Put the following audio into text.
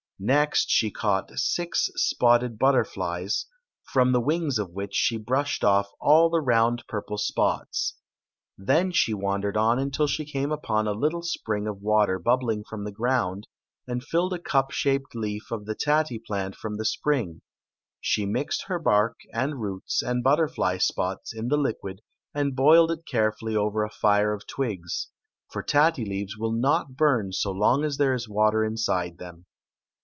Next sht caught six spotted butterflies, from the wings of which she brushed off all the round, purple spots. Then • she wandered on until she came upon a little spring of water bubbling from the ground, and filling a cup shaped leai' of the tatti plant from the spring, she mixed her bark and roots and butterfly^pots in the Story of the Magic Cloak ,8. liquid and boiled it carefully over a fire of twigs • for tatti leayes will not bum so long as there is water inside them.